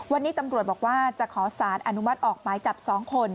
วันนี้ตำรวจบอกว่าจะขอสารอนุมัติออกหมายจับ๒คน